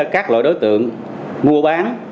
các loại đối tượng mua bán